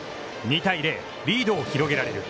２対０、リードを広げられる。